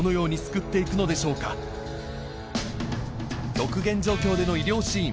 極限状況での医療シーン